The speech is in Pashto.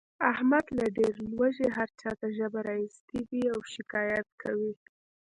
احمد له ډېر لوږې هر چاته ژبه را ایستلې وي او شکایت کوي.